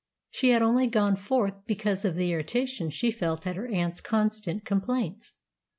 She had only gone forth because of the irritation she felt at her aunt's constant complaints.